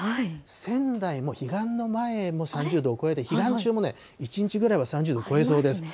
仙台も彼岸の前も３０度を超えて、彼岸中もね、１日ぐらいは３０度を超えそうです。